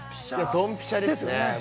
ドンピシャですね。